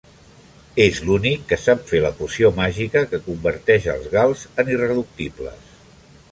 És l'únic que sap fer la poció màgica que converteix als gals en irreductibles.